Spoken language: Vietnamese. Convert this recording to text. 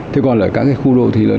thế còn là các khu đồ thí lớn